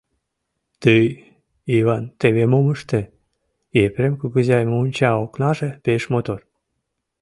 — Тый, Иван, теве мом ыште: Епрем кугызай монча окнаже пеш мотор.